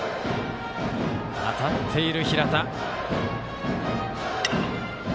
当たっている平田。